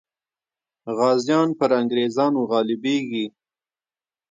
غازیان پر انګریزانو غالبېږي.